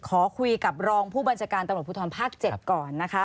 ขอคุยกับรองผู้บัญชาการตำรวจภูทรภาค๗ก่อนนะคะ